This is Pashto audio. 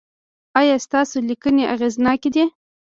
ایا ستاسو لیکنې اغیزناکې دي؟